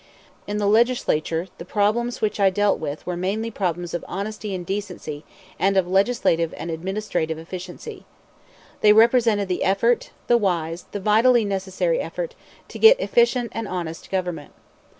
In the Legislature the problems with which I dealt were mainly problems of honesty and decency and of legislative and administrative efficiency. They represented the effort, the wise, the vitally necessary effort, to get efficient and honest government.